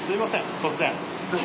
突然。